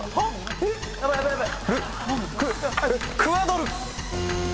クアドル！